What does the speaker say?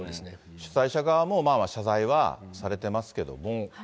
主催者側も謝罪はされてますけどね。